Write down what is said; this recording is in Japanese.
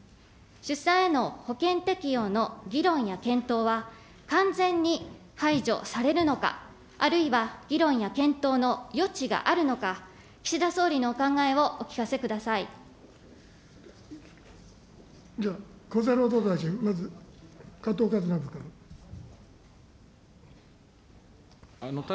出産への保険適用の議論や検討は完全に排除されるのか、あるいは議論や検討の余地があるのか、岸田総理のお考えをお聞か厚生労働大臣、まず、加藤勝